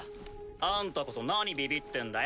あんたこそ何ビビってんだよ。